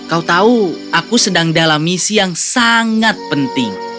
kau tahu aku sedang dalam misi yang sangat penting